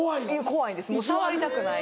怖いんですもう触りたくない。